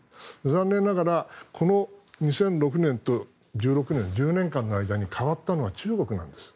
残念ながら２００６年と２０１６年１０年間の間に変わったのは中国なんです。